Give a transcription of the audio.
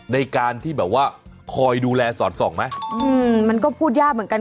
ในการที่แบบว่าคอยดูแลสอดส่องไหมอืมมันก็พูดยากเหมือนกัน